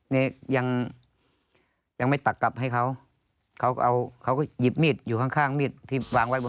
นี่ยังยังไม่ตักกลับให้เขาเขาก็เอาเขาก็หยิบมีดอยู่ข้างข้างมีดที่วางไว้บน